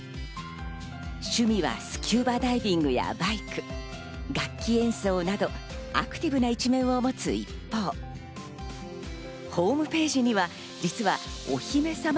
趣味はスキューバダイビングやバイク楽器演奏など、アクティブな一面を持つ一方、ホームページには実はお姫さま